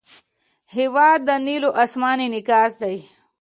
هېواد د نیلو آسمان انعکاس دی.